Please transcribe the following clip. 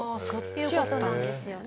そっちやったんですね。